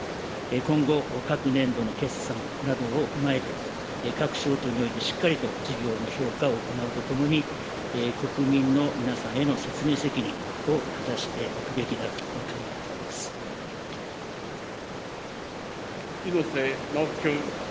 今後、各年度の決算などを踏まえて、各省庁においてしっかりと事業の評価を行うとともに、国民の皆さんへの説明責任を果たしていくべきであると考えており猪瀬直樹君。